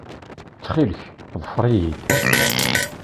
Ttxil-k, ḍfer-iyi-d.